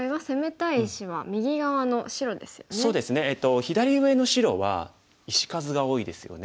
左上の白は石数が多いですよね。